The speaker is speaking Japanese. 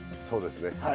そうですね。